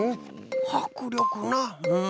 はくりょくなうん。